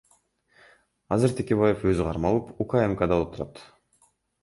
Азыр Текебаев өзү кармалып, УКМКда отурат.